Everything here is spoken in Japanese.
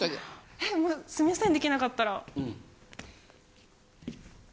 えっもうすいません出来なかったら。